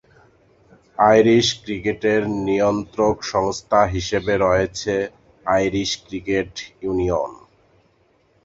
Irish ক্রিকেটের নিয়ন্ত্রক সংস্থা হিসেবে রয়েছে আইরিশ ক্রিকেট ইউনিয়ন।